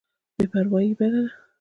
بې پروايي بد دی.